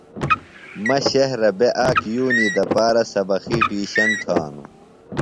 مہ شہرہ بےۡ آک یُونی دپارہ سبقی ٹِیوشن تھانوۡ۔